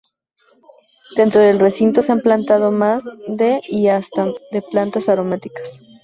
Dentro del recinto se han plantado más de y y hasta de plantas aromáticas.